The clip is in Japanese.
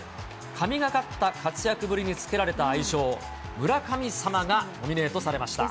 神がかった活躍ぶりに付けられた愛称、村神様がノミネートされました。